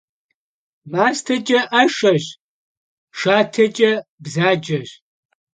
Masteç'e 'eşşeş, şşateç'e bzaceş.